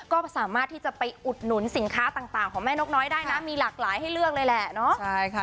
ก็สามารถที่จะไปอุดหนุนสินค้าต่างของแม่นกน้อยได้นะมีหลากหลายให้เลือกเลยแหละเนาะ